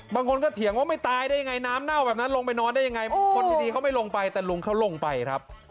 บางคนก็เถียงว่าไม่ตายได้ยังไงน้ำเน่าแบบนั้นลงไปนอนได้ยังไงคนดีเขาไม่ลงไปแต่ลุงเขาลงไปครับ